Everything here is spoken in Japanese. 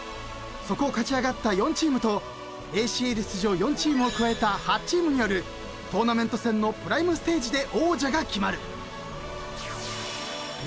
そこを勝ち上がった４チームとＡＣＬ出場４チームを加えた８チームによるトーナメント戦のプライムステージで王者が決まる］